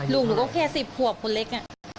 ลูกหนูก็แค่สิบหัวคนเล็ก